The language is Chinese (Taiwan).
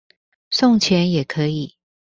送錢也可以